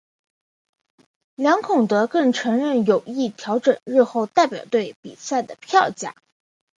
梁孔德更承认有意调整日后代表队比赛的票价。